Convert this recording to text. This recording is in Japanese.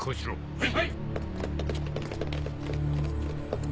はい！